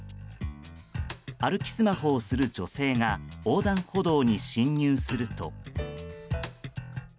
歩きスマホをする女性が横断歩道に進入すると。